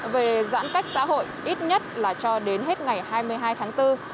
về giãn cách xã hội ít nhất là cho đến hết ngày hai mươi hai tháng bốn